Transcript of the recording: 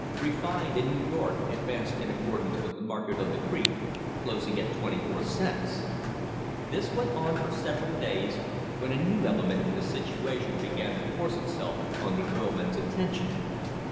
Refined in New York advanced in accordance with the market on the creek, closing at twenty four cents. This went on for several days, when a new element in the situation began to force itself on the oil men's attention.